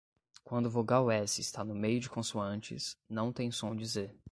Quando vogal S está no meio de consoantes, não tem som de Z